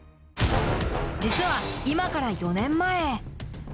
実は今から４年前。